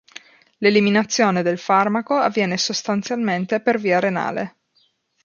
L'eliminazione del farmaco avviene sostanzialmente per via renale.